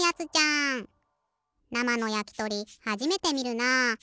なまのやきとりはじめてみるな。